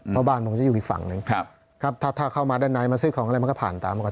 เพราะบ้านผมจะอยู่อีกฝั่งหนึ่งครับถ้าเข้ามาด้านในมาซื้อของอะไรมันก็ผ่านตามปกติ